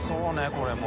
これも。